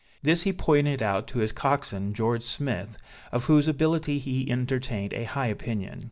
This he pointed out to his coxswain, George Smith, of whose ability he entertained a high opinion.